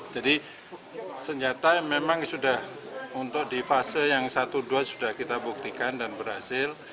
jadi senjata memang sudah untuk di fase yang satu dua sudah kita buktikan dan berhasil